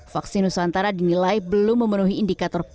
vaksin nusantara dinilai belum memenuhi indikator proof concept